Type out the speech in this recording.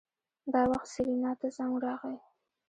دا وخت سېرېنا ته زنګ راغی.